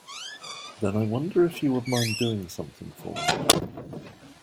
Then I wonder if you would mind doing something for me.